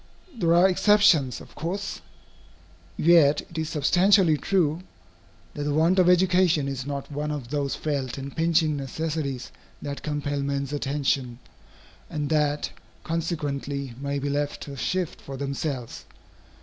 There are exceptions, of course. Yet it is substantially true, that the want of education is not one of those felt and pinching necessities that compel men's attention, and that consequently may be left to shift for themselves.